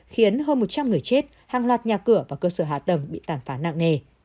khiến hơn một trăm linh người chết hàng loạt nhà cửa và cơ sở hạ tầng bị tàn phá nặng nề